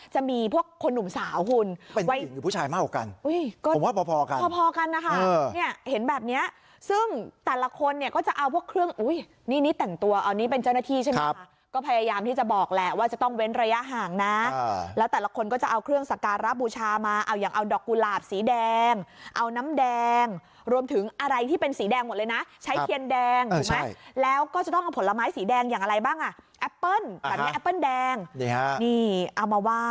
จะมีพวกคนนุ่มสาวคุณเป็นผู้หญิงหรือผู้ชายมากกว่ากันผมว่าพอกันพอกันนะคะเห็นแบบเนี้ยซึ่งแต่ละคนเนี้ยก็จะเอาพวกเครื่องอุ้ยนี่นี่แต่งตัวเอานี่เป็นเจ้าหน้าที่ใช่ไหมครับก็พยายามที่จะบอกแหละว่าจะต้องเว้นระยะห่างนะแล้วแต่ละคนก็จะเอาเครื่องสการรับบูชามาเอาอย่างเอาดอกกุหลาบสีแดงเอาน้ำแดงรวม